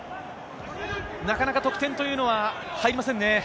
なかなか得点というのは、入りませんね。